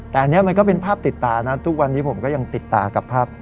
แต่อันนี้มันก็เป็นภาพติดตานะทุกวันนี้ผมก็ยังติดตากับภาพ